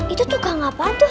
itu tukang apa tuh